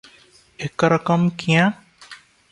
ଏକରକମ କିଆଁ?